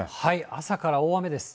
朝から大雨です。